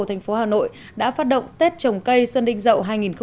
thành phố hà nội đã phát động tết trồng cây xuân đinh dậu hai nghìn một mươi bảy